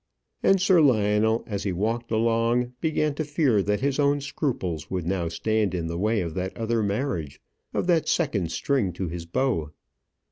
And Sir Lionel, as he walked along, began to fear that his own scruples would now stand in the way of that other marriage of that second string to his bow.